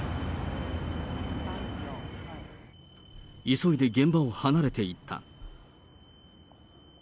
急いで現場を離れていった。